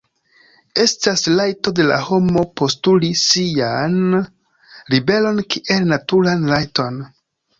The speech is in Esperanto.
Estas rajto de la homo postuli sian liberon kiel naturan rajton.